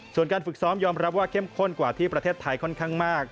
ส่วนการฝึกซ้อมยอมรับว่าเข้มข้นกว่าที่ประเทศไทยค่อนข้างมาก